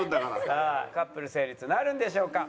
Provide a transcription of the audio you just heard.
さあカップル成立なるんでしょうか？